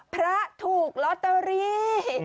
พระถูกลอตเตอรี่